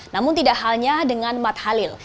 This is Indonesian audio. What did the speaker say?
namun tidak halnya dengan matt halil